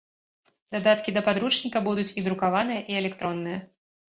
Дадаткі да падручніка будуць і друкаваныя, і электронныя.